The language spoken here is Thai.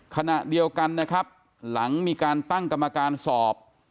คณะเดียวกันหลังมีการตั้งกรรมการสอบ